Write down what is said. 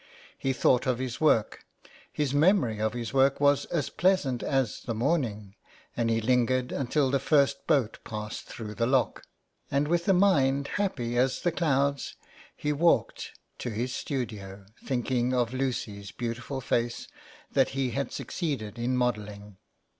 He thought of his work, his memory of his work was as pleasant as the morning, and he lingered until the first boat passed through the lock, and with a mind happy as the clouds he walked to his studio, thinking of Lucy's beautiful face that he had succeeded in modelling.